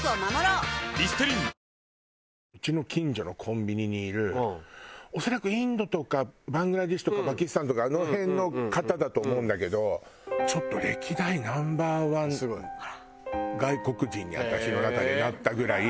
うちの近所のコンビニにいる恐らくインドとかバングラデシュとかパキスタンとかあの辺の方だと思うんだけどちょっと歴代ナンバーワン外国人に私の中でなったぐらい。